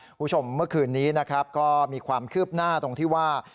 คุณผู้ชมเมื่อคืนนี้นะครับก็มีความคืบหน้าตรงที่ว่า